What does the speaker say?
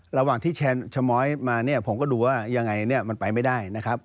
ระหว่างที่ชะม้อยมาเนี่ยผมก็ดูว่ายังไงเนี่ยมันไปไม่ได้นะครับ